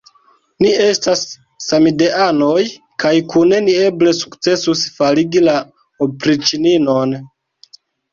Ni estas samideanoj kaj kune ni eble sukcesus faligi la opriĉninon.